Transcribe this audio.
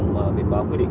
của biển báo quy định